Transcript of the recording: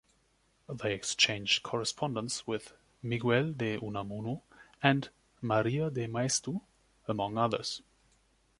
They exchanged correspondence with Miguel de Unamuno and María de Maeztu, among others.